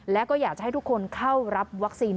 และก็อยากจะให้ทุกคนเข้ารับวัคซีน